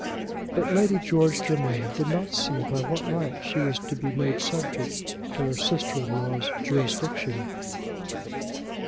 But Lady George Germain did not see by what right she was to be made subject to her sister in law's jurisdiction.